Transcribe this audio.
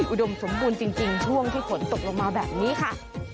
อุดมสมบูรณ์จริงช่วงที่ฝนตกลงมาแบบนี้ค่ะ